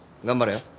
頑張れよ。